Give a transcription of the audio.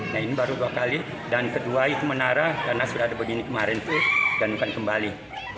nah ini baru dua kali dan kedua itu menara karena sudah ada begini kemarin itu dan bukan kembali